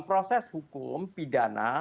proses hukum pidana